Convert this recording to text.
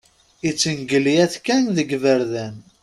Ittengelyat kan deg iberdan.